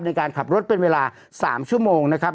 ในการขับรถเป็นเวลา๓ชั่วโมงนะครับ